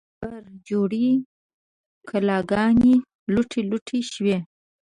هغه برجورې کلاګانې، لوټې لوټې شوې